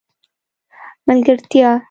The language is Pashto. ملګرتیا